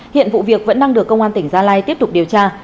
hiện vụ việc vẫn đang được công an tỉnh gia lai tiếp tục điều tra